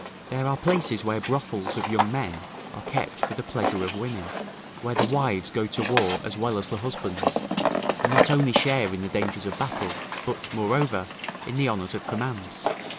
There are places where brothels of young men are kept for the pleasure of women; where the wives go to war as well as the husbands, and not only share in the dangers of battle, but, moreover, in the honours of command.